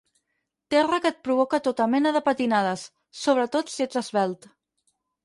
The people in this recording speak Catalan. Terra que et provoca tota mena de patinades, sobretot si ets esvelt.